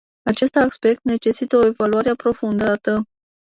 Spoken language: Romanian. Acest aspect necesită o evaluare aprofundată.